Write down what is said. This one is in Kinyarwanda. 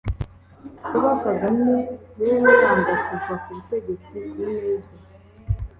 Kuba Kagame rero yanga kuva ku butegetsi ku neza